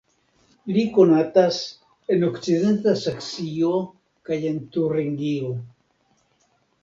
Li konatas en okcidenta Saksio kaj en Turingio.